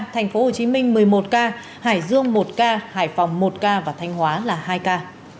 thành phố hồ chí minh một mươi một ca hải dương một ca hải phòng một ca và thanh hóa là hai ca